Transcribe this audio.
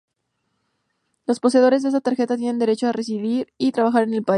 Los poseedores de esta tarjeta tienen derecho a residir y trabajar en el país.